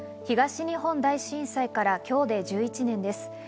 東日本大震災から今日で１１年です。